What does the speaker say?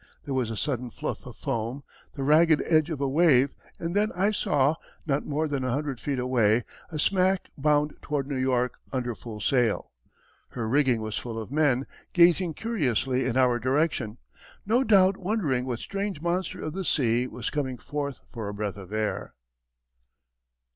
There was a sudden fluff of foam, the ragged edge of a wave, and then I saw, not more than a hundred feet away, a smack bound toward New York under full sail. Her rigging was full of men, gazing curiously in our direction, no doubt wondering what strange monster of the sea was coming forth for a breath of air.